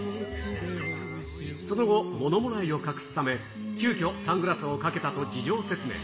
その後、ものもらいを隠すため、急きょ、サングラスをかけたと事情説明。